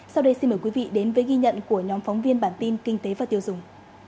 sau đây xin mời quý vị đến với ghi nhận của nhóm phóng viên bản tin kinh tế và tiêu dùng